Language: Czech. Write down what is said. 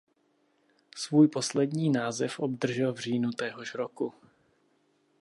Svůj poslední název obdržel v říjnu téhož roku.